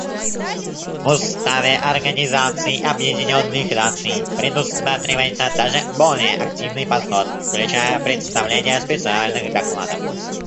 В Уставе Организации Объединенных Наций предусматривается даже более активный подход, включая представление специальных докладов.